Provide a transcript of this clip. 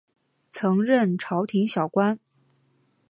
曾任朝廷小官。